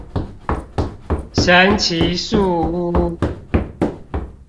神奇樹屋